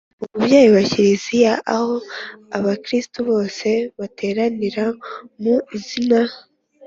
umubyeyi wa kiliziya ». aho abakristu bose bateraniye mu izina